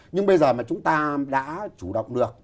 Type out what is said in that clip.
nhưng bây giờ mà chúng ta đã chủ động được